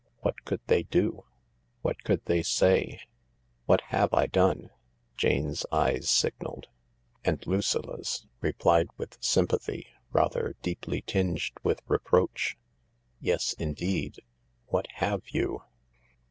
What could they do ? What could they say ?" What have I done ?" Jane's eyes signalled. And Lucilla's replied with sympathy, rather deeplytinged with reproach :" Yes, indeed, what have you